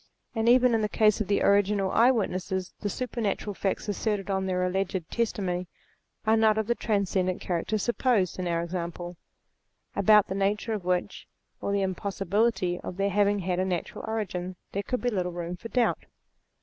And even in the case of the original eye witnesses, the super natural facts asserted on their alleged testimony, are not of the transcendant character supposed in our example, about the nature of which, or the impossi bility of their having had a natural origin, there could be little room for doubt.